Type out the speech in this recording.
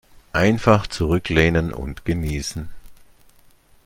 Einfach zurücklehnen und genießen.